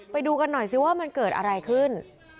ไปดูกันหน่อยสิว่ามันเกิดอะไรขึ้น